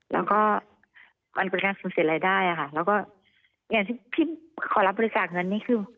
แล้วก็มันเกิดการสูญเสียรายได้อะค่ะแล้วก็อย่างที่พี่ขอรับบริจาคเงินนี่คือ